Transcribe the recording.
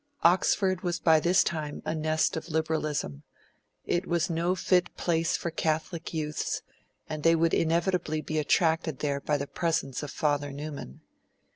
Oxford was by this time a nest of liberalism; it was no fit place for Catholic youths, and they would inevitably be attracted there by the presence of Father Newman.